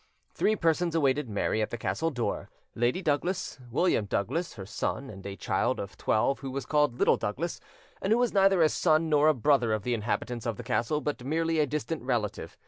Three persons awaited Mary at the castle door: Lady Douglas, William Douglas her son, and a child of twelve who was called Little Douglas, and who was neither a son nor a brother of the inhabitants of the castle, but merely a distant relative.